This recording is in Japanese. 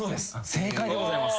正解でございます。